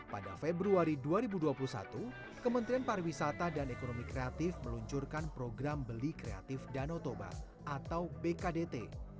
pada februari dua ribu dua puluh satu kementerian pariwisata dan ekonomi kreatif meluncurkan program beli kreatif danau toba atau bkdt